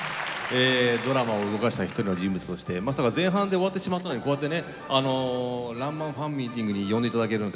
ドラマを動かした一人の人物としてまさか前半で終わってしまったのにこうやってね「らんまん」ファンミーティングに呼んでいただけるなんて